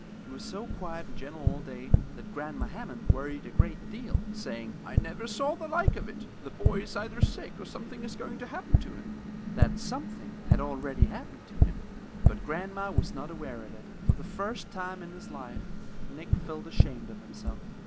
He was so quiet and gentle all day that Grandma Hammond worried a great deal, saying: "I never saw the like of it. The boy is either sick or something is going to happen to him." That something had already happened to him, but grandma was not aware of it. For the first time in his life, Nick felt ashamed of himself.